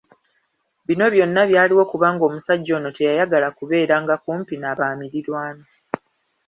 Bino byonna byaliwo kubanga omusajja ono teyayagala kubeera nga kumpi n'abamirirwano.